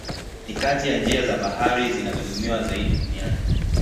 Ni kati ya njia za bahari zinazotumiwa zaidi duniani.